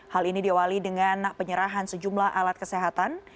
hal ini diawali dengan penyerahan sejumlah alat kesehatan